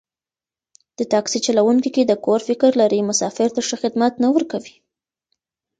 د تاکسي چلوونکی که د کور فکر لري، مسافر ته ښه خدمت نه ورکوي.